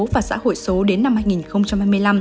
và xã hội số đến năm hai nghìn hai mươi năm